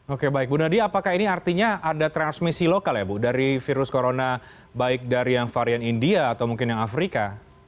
oke baik bu nadia apakah ini artinya ada transmisi lokal ya bu dari virus corona baik dari yang varian india atau mungkin yang afrika